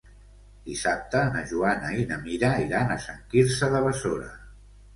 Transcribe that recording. Dissabte na Joana i na Mira iran a Sant Quirze de Besora.